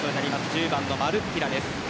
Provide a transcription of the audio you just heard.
１０番のマルッティラです。